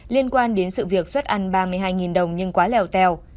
liên quan đến sự việc xuất ăn ba mươi hai đồng nhưng quá leo tèo